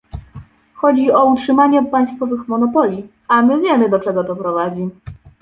Chodzi tu o utrzymanie państwowych monopoli, a my wiemy, do czego to prowadzi